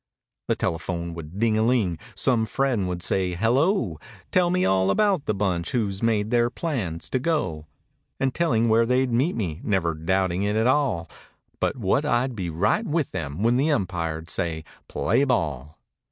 The telephone would ding a ling, some friend would say "Hello!" Tell me all about the bunch who's made their plans to go. And telling where they'd meet me—never doubting it at all But what I'd be right with them when the umpire'd say "Play ball."